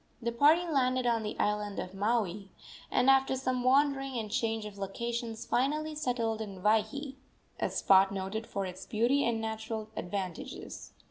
The party landed on the island of Maui, and, after some wandering and change of locations, finally settled in Waihee, a spot noted for its beauty and natural advantages.